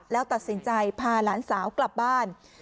แล้วตัดสินใจพาหลานสาวกลับบ้าน